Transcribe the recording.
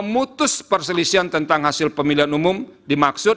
frasa memutus perselisian tentang hasil pemilihan umum dimaksud